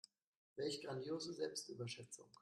Welch grandiose Selbstüberschätzung.